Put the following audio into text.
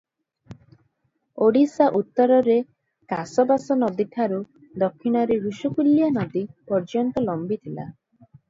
ଓଡିଶା ଉତ୍ତରରେ କାଶବାଶନଦୀଠାରୁ ଦକ୍ଷିଣରେ ଋଷିକୁଲ୍ୟାନଦୀ ପର୍ଯ୍ୟନ୍ତ ଲମ୍ବିଥିଲା ।